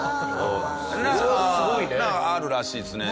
あるらしいですね。